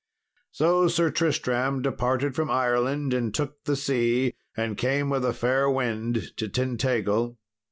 So Sir Tristram departed from Ireland and took the sea and came with a fair wind to Tintagil.